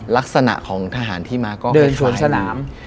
ลักษณะของทหารที่มาก็คล้ายวีเดินชนสนาม